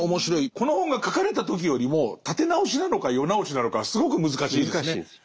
この本が書かれた時よりも立て直しなのか世直しなのかはすごく難しいですね。